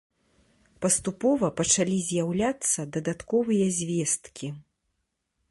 Паступова пачалі з'яўляцца дадатковыя звесткі.